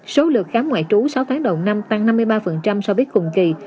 số lượt khám ngoại trú sáu tháng đầu năm tăng năm mươi ba so với cùng kỳ